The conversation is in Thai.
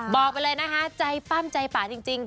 บอกไปเลยนะคะใจปั้มใจป่าจริง